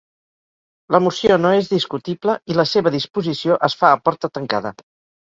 La moció no és discutible i la seva disposició es fa a porta tancada.